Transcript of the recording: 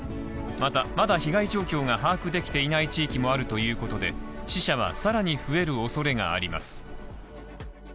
また、まだ被害状況が把握できていない地域もあるということで、死者はさらに増えるおそれがあります。